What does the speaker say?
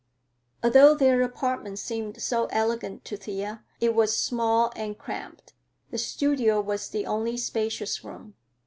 Although their apartment seemed so elegant to Thea, it was small and cramped. The studio was the only spacious room.